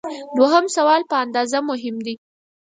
دوهم سوال په اندازه مهم دی.